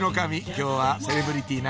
今日はセレブリティーな街